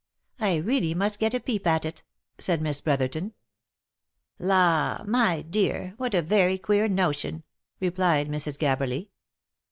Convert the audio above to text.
I really must get a peep at it," said Miss Brotherton. " Law ! my dear ! What a very queer notion," replied Mrs. Gab berly.